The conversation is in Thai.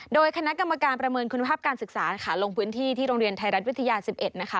โดยคณะกรรมการประเมินคุณภาพการศึกษาค่ะลงพื้นที่ที่โรงเรียนไทยรัฐวิทยา๑๑นะคะ